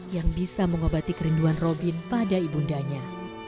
yang bisa mengobati kerinduan robin pada ibu undanya